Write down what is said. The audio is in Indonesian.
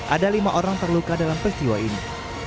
ada lima orang terluka dalam peristiwa ini